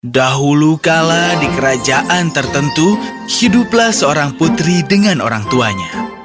dahulu kala di kerajaan tertentu hiduplah seorang putri dengan orang tuanya